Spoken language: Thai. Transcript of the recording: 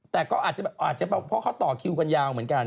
แต่ก็อาจจะเพราะเขาต่อคิวกันยาวเหมือนกัน